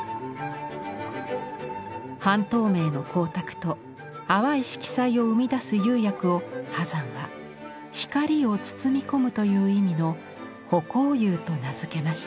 半透明の光沢と淡い色彩を生み出す釉薬を波山は光を包み込むという意味の「葆光釉」と名付けました。